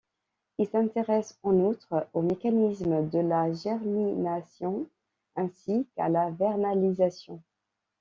Il s’intéresse en outre aux mécanismes de la germination ainsi qu'à la vernalisation.